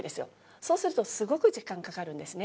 そうするとすごく時間かかるんですね。